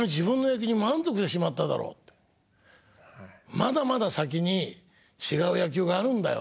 「まだまだ先に違う野球があるんだよ」と。